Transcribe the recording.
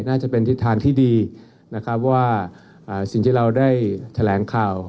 น่าจะเป็นทิศทางที่ดีนะครับว่าสิ่งที่เราได้แถลงข่าว